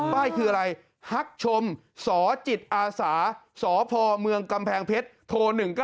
ป้ายคืออะไรฮักชมสจิตอาสาสพเมืองกำแพงเพชรโทร๑๙